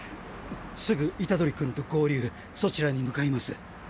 すぐ虎杖君と合流そちらに向かいます。